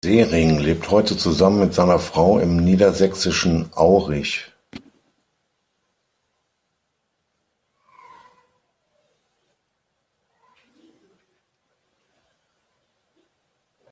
Sehring lebt heute zusammen mit seiner Frau im niedersächsischen Aurich.